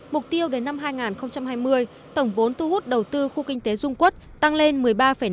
mục tiêu đến năm hai nghìn hai mươi tổng vốn thu hút đầu tư khu kinh tế dung quất tăng lên một mươi ba năm tỷ usd